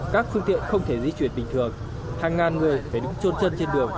các phương tiện không thể di chuyển bình thường hàng ngàn người phải đứng trôn chân trên đường